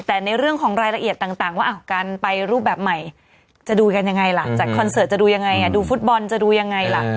แต่ในเรื่องของรายละเอียดต่างว่าการไปรูปแบบใหม่จะดูกันยังไงล่ะจัดคอนเสิร์ตจะดูยังไงดูฟุตบอลจะดูยังไงล่ะ